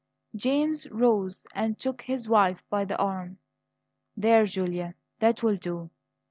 James rose and took his wife by the arm. "There, Julia, that will do.